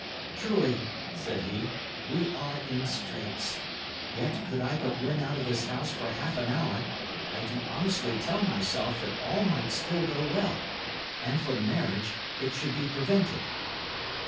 "Truly," said he, "we are in straits. Yet, could I but win out of this house for half an hour, I do honestly tell myself that all might still go well; and for the marriage, it should be prevented."